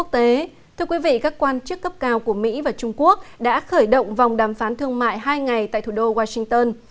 thưa quý vị các quan chức cấp cao của mỹ và trung quốc đã khởi động vòng đàm phán thương mại hai ngày tại thủ đô washington